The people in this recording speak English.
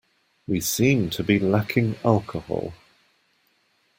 We seem to be lacking alcohol.